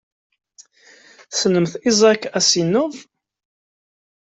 Tessnemt Isaac Asimov?